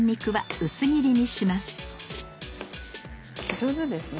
上手ですね。